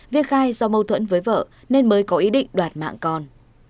viên khai do mâu thuẫn với vợ nên mới có ý định đoạt mạng con